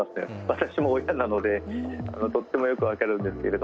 私も親なのでとってもよく分かるんですけれど。